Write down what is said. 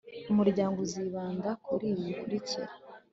umuryango uzibanda kuri ibi bikurikira